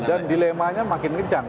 betul dan dilemanya makin kencang